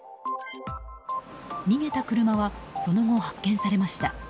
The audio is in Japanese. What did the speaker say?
逃げた車はその後、発見されました。